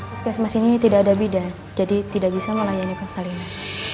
puskesmas ini tidak ada bidan jadi tidak bisa melayani pasal ini